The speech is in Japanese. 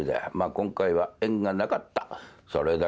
今回は縁がなかったそれだけのことだ。